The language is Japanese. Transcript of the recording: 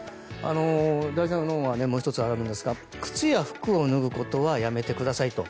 大事なのはもう１つあるんですが靴や服を脱ぐことはやめてくださいと。